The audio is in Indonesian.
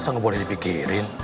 gak usah dipikirin